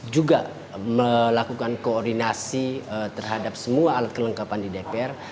juga melakukan koordinasi terhadap semua alat kelengkapan di dpr